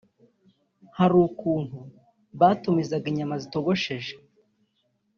Hari ukuntu batumizaga inyama zitogosheje